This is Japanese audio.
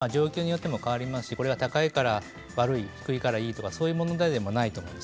状況によっても変わりますし高いから悪い、低いからいいという問題ではありません。